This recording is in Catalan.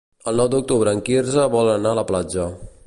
El nou d'octubre en Quirze vol anar a la platja.